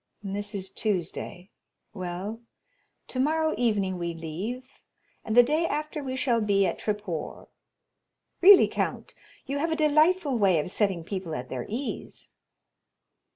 "This is Tuesday—well, tomorrow evening we leave, and the day after we shall be at Tréport. Really, count, you have a delightful way of setting people at their ease."